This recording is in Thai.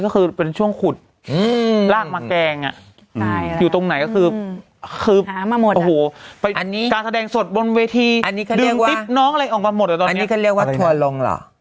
ดึงทิปน้องจากมือน้องลิลลี่อะไรอย่างนี้